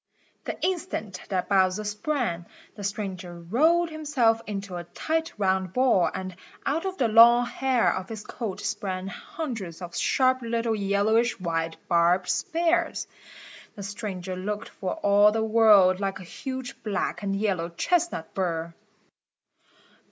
The instant that Bowser sprang, the stranger rolled himself into a tight round ball and out of the long hair of his coat sprang hundreds of sharp little yellowish white barbed spears. The stranger looked for all the world like a huge black and yellow chestnut burr.